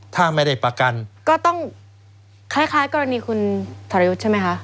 ถ้าไม่ได้ประกันก็ต้องคล้ายกรณีคุณทรยุทธ์ใช่ไหมคะ